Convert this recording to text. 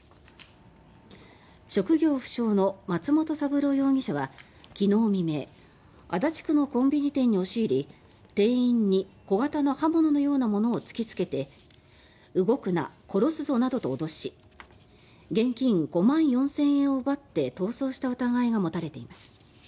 職業不詳の松本三郎容疑者は昨日未明足立区のコンビニ店に押し入り店員に小型の刃物のようなものを突きつけて動くな、殺すぞなどと脅し現金５万４０００円を奪って逃走した疑いが持たれています。